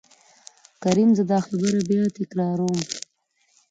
کريم :زه دا خبره بيا تکرار وم.